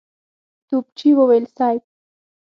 توپچي وويل: صېب!